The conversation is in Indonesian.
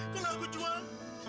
kalau aku jual